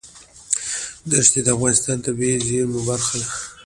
دښتې د افغانستان د طبیعي زیرمو برخه ده.